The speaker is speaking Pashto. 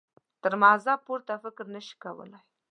تر مذهب پورته فکر نه شي کولای.